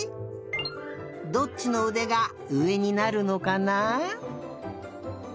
どっちのうでがうえになるのかな？